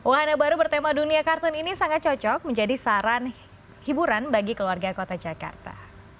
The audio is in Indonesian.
wahana baru bertema dunia kartun ini sangat cocok menjadi saran hiburan bagi keluarga kota jakarta